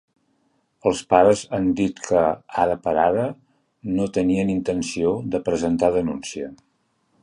Els pares han dit que, ara per ara, no tenien intenció de presentar denúncia.